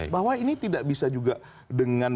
bahwa ini tidak bisa juga dengan